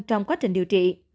trong quá trình điều trị